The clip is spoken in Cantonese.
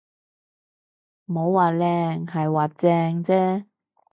冇話靚，係話正啫